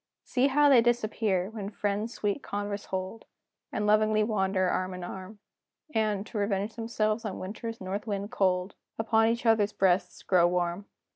See how they disappear, when friends sweet converse hold, And loving wander arm in arm; And, to revenge themselves on winter's north wind cold, Upon each other's breasts grow warm!